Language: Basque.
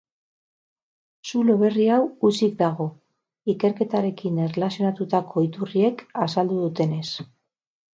Zulo berri hau hutsik dago, ikerketarekin erlazionatutako iturriek azaldu dutenez.